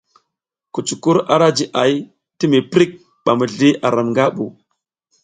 Kucukur ara jiʼay ti mi prik ba mizli aram nga ɓu.